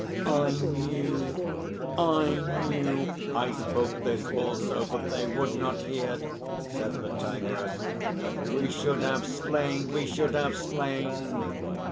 "I knew I knew! I spoke this also, but they would not hear," said the Tigress. "We should have slain we should have slain!"